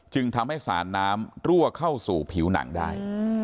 จึงทำให้สารน้ำรั่วเข้าสู่ผิวหนังได้